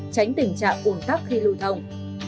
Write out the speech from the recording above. tránh tình trạng cuồng thắt khi lưu thông